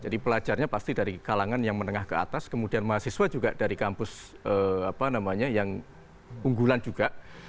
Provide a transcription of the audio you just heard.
jadi pelajarnya pasti dari kalangan yang menengah ke atas kemudian mahasiswa juga dari kampus apa namanya yang unggulan juga